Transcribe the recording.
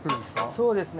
そうですね